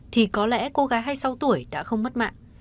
thì có lẽ cô gái hay sáu tuổi đã không mất mạng